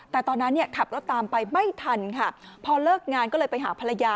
แต่ตอนนั้นเนี่ยขับรถตามไปไม่ทันค่ะพอเลิกงานก็เลยไปหาภรรยา